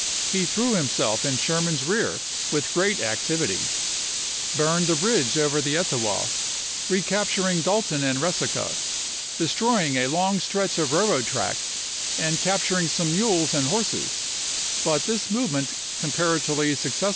He p ws.' threw himself in Sherman's rear with great ac tivity ; burned the bridge over the Etowah ; recap turing Dalton and Eesaca, destroying a long stretch of railroad track, and capturing some mules and horses; but this movement, comparatively success ibid.